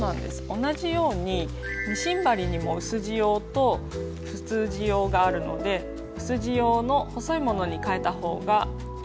同じようにミシン針にも薄地用と普通地用があるので薄地用の細いものにかえた方がいいですね。